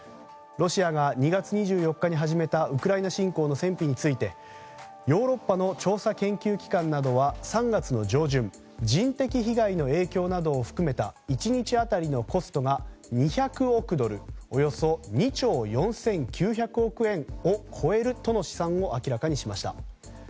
ロシアが２月２４日に始めたウクライナ侵攻の戦費についてヨーロッパの調査研究機関などは３月上旬人的被害の影響などを含めた１日当たりのコストが２００億ドルおよそ２兆４９００億円を超えるとの試算を明らかにしました。